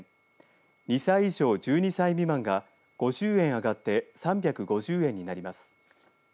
２歳以上１２歳未満が５０円上がって３５０円になります。